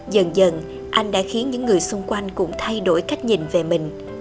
dần dần anh đã khiến những người xung quanh cũng thay đổi cách nhìn về mình